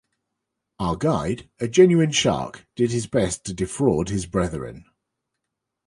Our guide, a genuine shark, did his best to defraud his brethren.